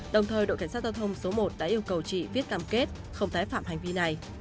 đồng thời đội cảnh sát giao thông số một đã yêu cầu chị viết cam kết không tái phạm hành vi này